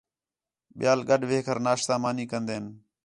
ٻِیال گڈ وہ کر ناشتہ، مانی کندین